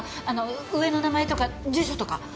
あの上の名前とか住所とか。